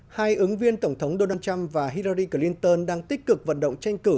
hai ứng viên tổng thống donald trump và hirari clinton đang tích cực vận động tranh cử